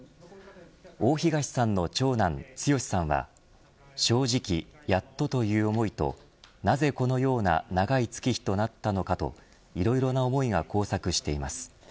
大東さんの長男剛志さんは正直、やっとという思いとなぜこのような長い月日となったのかといろいろな思いが交錯しています。